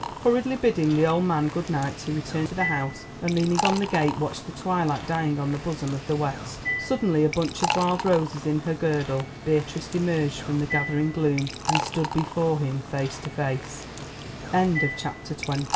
Hurriedly bidding the old man good night he returned to the house, and leaning on the gate watched the twilight dying on the bosom of the west. Suddenly, a bunch of wild roses in her girdle, Beatrice emerged from the gathering gloom and stood before him face to face.